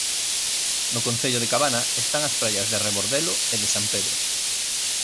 No concello de Cabana están as praias de Rebordelo e de San Pedro.